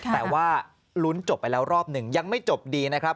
แต่ว่าลุ้นจบไปแล้วรอบหนึ่งยังไม่จบดีนะครับ